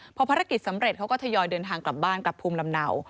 พอภารกิจสำเร็จเขาก็ทยอยเดินทางกลับบ้านกลับภูมิลำเนา